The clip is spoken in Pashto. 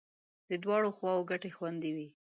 د دواړو خواو ګټې خوندي وې.